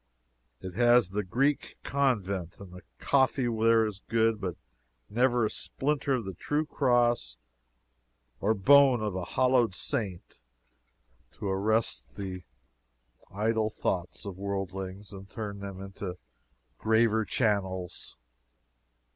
It has its Greek Convent, and the coffee there is good, but never a splinter of the true cross or bone of a hallowed saint to arrest the idle thoughts of worldlings and turn them into graver channels.